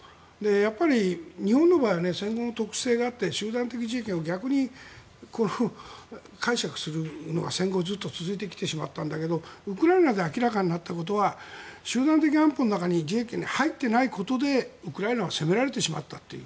やっぱり日本の場合戦後の特殊性があって集団的自衛権を逆に解釈するのが戦後ずっと続いてきてしまったんだけれどウクライナで明らかになったことは集団的安保の中に自衛権が入っていないことでウクライナが攻められてしまったという。